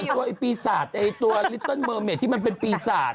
มีตัวไอ้ปีศาจไอตัวลิทเติลเมอร์เมตท์ที่มันเป็นปีศาจ